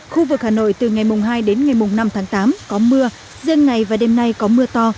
khu vực hà nội từ ngày hai đến ngày năm tháng tám có mưa riêng ngày và đêm nay có mưa to